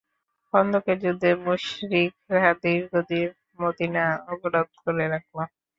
খন্দকের যুদ্ধে মুশরিকরা দীর্ঘদিন মদীনা অবরোধ করে রাখল।